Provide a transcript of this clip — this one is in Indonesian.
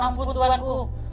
hamba tidak sanggup